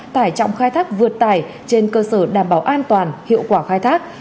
tải trọng khai thác vượt tải trên cơ sở đảm bảo an toàn hiệu quả khai thác